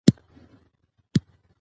دښتې د انرژۍ سکتور یوه برخه ده.